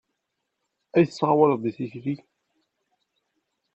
Ay tettɣawaleḍ deg tikli!